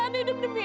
kanda di mana ini